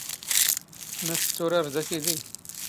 ⵎⴰ ⵜⴻⵜⵜⵓⵔⴰⵔⴷ ⴰⴽⵉⴷⵉ?